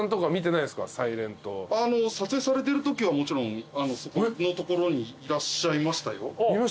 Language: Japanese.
撮影されてるときはもちろんそこの所にいらっしゃいましたよ。